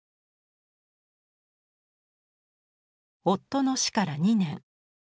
夫の死から２年